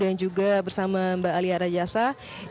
dan juga bapak agus harimurti yudhoyono beserta istri ibu anissa pohan